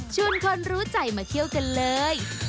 คนรู้ใจมาเที่ยวกันเลย